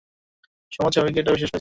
সমাজ সবাইকে এটা বিশ্বাস করিয়েছে।